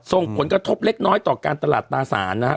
ส่งผลกระทบเล็กน้อยต่อการตลาดตาสารนะฮะ